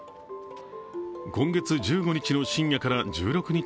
今月１５日の深夜から１６日